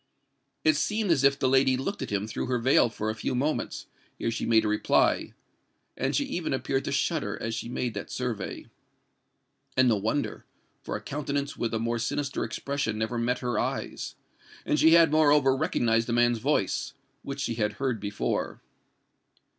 It seemed as if the lady looked at him through her veil for a few moments, ere she made a reply; and she even appeared to shudder as she made that survey. And no wonder;—for a countenance with a more sinister expression never met her eyes; and she had moreover recognised the man's voice, which she had heard before.